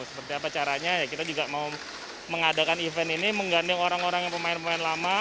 seperti apa caranya ya kita juga mau mengadakan event ini menggandeng orang orang yang pemain pemain lama